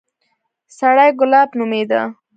سړى ګلاب نومېده.